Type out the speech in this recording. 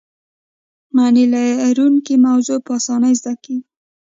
معنی لرونکې موضوع په اسانۍ زده کیږي.